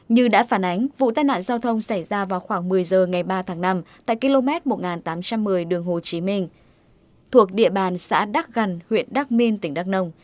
như đã phản ánh vụ tai nạn giao thông xảy ra vào khoảng một mươi giờ ngày ba tháng năm tại km một nghìn tám trăm một mươi đường hồ chí minh thuộc địa bàn xã đắc gằn huyện đắc minh tỉnh đắk nông